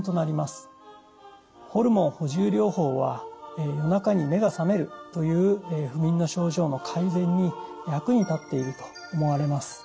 ホルモン補充療法は夜中に目が覚めるという不眠の症状の改善に役に立っていると思われます。